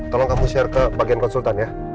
tolong kamu share ke bagian konsultan ya